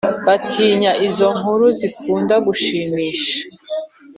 batinya Izo nkuru zikunda gushimisha